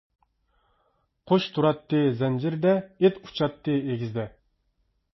قۇش تۇراتتى زەنجىردە، ئىت ئۇچاتتى ئېگىزدە.